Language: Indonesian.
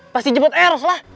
pasti jemput eros lah